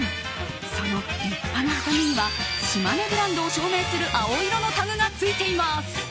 その立派なハサミには島根ブランドを証明する青色のタグが付いています。